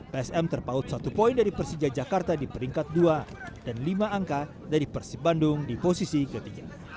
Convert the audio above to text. psm terpaut satu poin dari persija jakarta di peringkat dua dan lima angka dari persib bandung di posisi ketiga